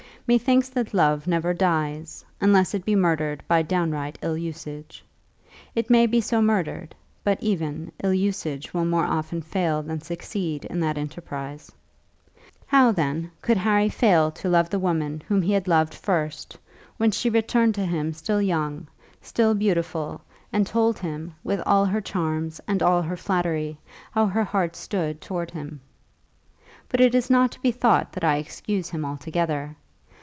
Methinks that love never dies, unless it be murdered by downright ill usage. It may be so murdered, but even ill usage will more often fail than succeed in that enterprise. How, then, could Harry fail to love the woman whom he had loved first, when she returned to him still young, still beautiful, and told him, with all her charms and all her flattery, how her heart stood towards him? But it is not to be thought that I excuse him altogether.